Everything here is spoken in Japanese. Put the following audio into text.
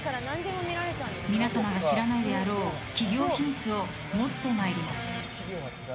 皆様が知らないであろう企業秘密を持ってまいります！